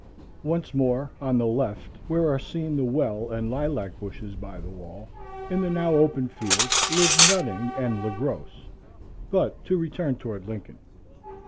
Once more, on the left, where are seen the well and lilac bushes by the wall, in the now open field, lived Nutting and Le Grosse. But to return toward Lincoln.